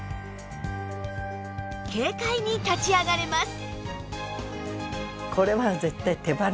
軽快に立ち上がれます